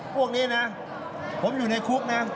พวกนี้นะผมอยู่ในคุกนะ